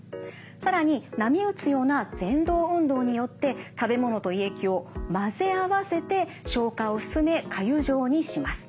更に波打つようなぜん動運動によって食べ物と胃液を混ぜ合わせて消化を進めかゆ状にします。